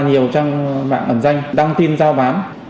nhiều trang mạng ẩn danh đăng tin giao bán